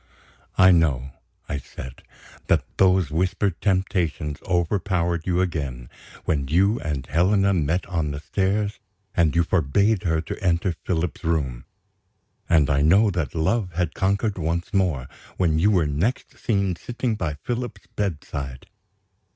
"I know," I said, "that those whispered temptations overpowered you again, when you and Helena met on the stairs, and you forbade her to enter Philip's room. And I know that love had conquered once more, when you were next seen sitting by Philip's bedside.